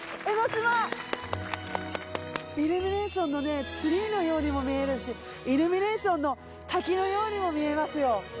イルミネーションのツリーのようにも見えるしイルミネーションの滝のようにも見えますよ